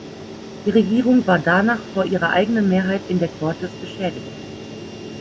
Die Regierung war danach vor ihrer eigenen Mehrheit in der Cortes beschädigt.